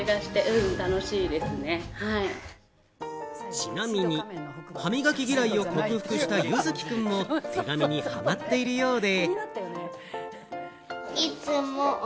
ちなみに、歯磨き嫌いを克服したユズキくんも手紙にハマっているようで。